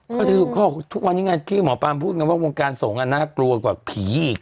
เขาบอกทุกวันนี้ไงที่หมอปลาพูดกันว่าวงการสงฆ์น่ากลัวกว่าผีอีก